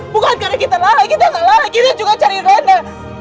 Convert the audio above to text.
bukan karena kita lalai kita gak lalai kita juga cari rena